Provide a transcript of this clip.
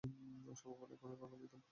সম্ভব হলে এক্ষুনি রওনা দিতাম আমি!